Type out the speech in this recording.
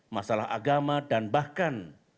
masalah agama dan bahkan